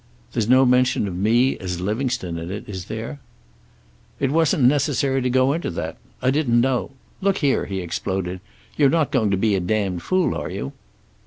"There's no mention of me as Livingstone in it, is there?" "It wasn't necessary to go into that. I didn't know Look here," he exploded, "you're not going to be a damned fool, are you?"